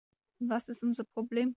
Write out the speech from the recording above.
Was ist unser Problem?